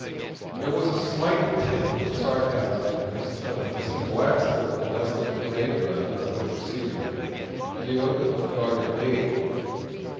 There was a slight tinge of sarcasm in his tone as he glanced toward the desolate parade ground of the Presidio and the open unguarded gate.